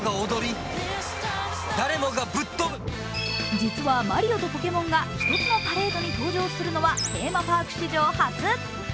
実はマリオとポケモンが一つのパレードに登場するのは、テーマパーク史上初。